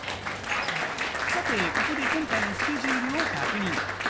さてここで今回のスケジュールを確認